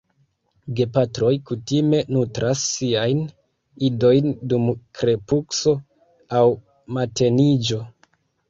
Gepatroj kutime nutras siajn idojn dum krepusko aŭ mateniĝo.